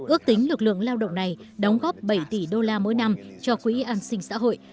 ước tính lực lượng lao động này đóng góp bảy tỷ đô la mỗi năm cho quỹ an sinh xã hội